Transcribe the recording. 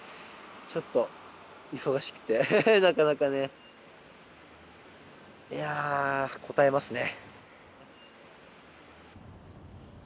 ちょっと忙しくてなかなかねいやあこたえますね